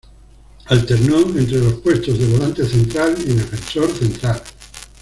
Alternó entre los puestos de volante central y defensor central.